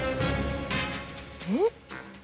えっ？